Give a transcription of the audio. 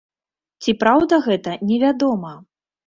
Ці праўда гэта, невядома.